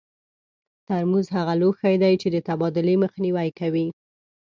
ترموز هغه لوښي دي چې د تبادلې مخنیوی کوي.